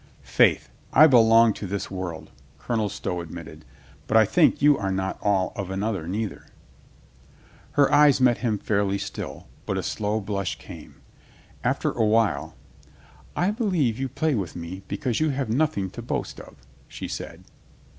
"Faith, I belong to this world," Colonel Stow ad mitted. "But I think you are not all of another neither." Her eyes met him fairly still, but a slow blush came. After a while, "I believe you play with me because you have nothing to boast of," she said.